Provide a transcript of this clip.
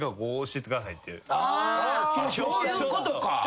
そういうことか！